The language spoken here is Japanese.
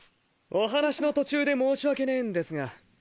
お話の途中で申し訳ねえんですが。